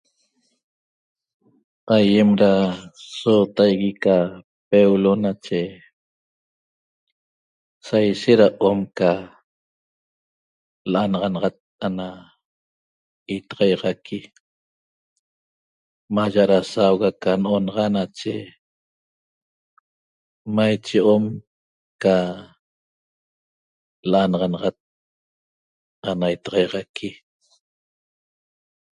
Aýem da sootaigui ca peulo nache saishet da om ca l'anaxanaxat ana itaxaixaqui maya' da sauga ca n'onaxa nache maiche om ca l'anaxanaxat ana itaxaixaqui